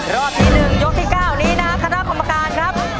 รอบที่๑ยกที่๙นี้นะครับคณะกรรมการครับ